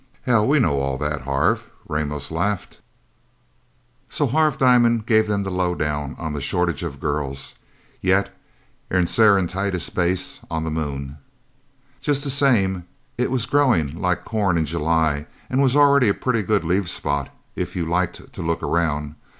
"Hell, we know all that, Harv," Ramos laughed. So Harv Diamond gave them the lowdown on the shortage of girls yet in Serenitatis Base, on the Moon. Just the same, it was growing like corn in July, and was already a pretty good leave spot, if you liked to look around.